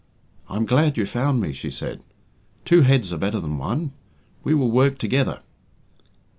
"I am glad you found me," she said. "Two heads are better than one. We will work together."